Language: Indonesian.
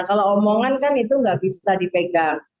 kalau omongan kan itu nggak bisa dipegang